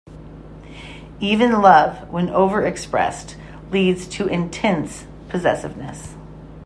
Even love, when over-expressed, leads to intense possessiveness.